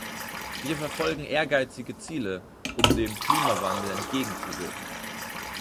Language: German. Wir verfolgen ehrgeizige Ziele, um dem Klimawandel entgegenzuwirken.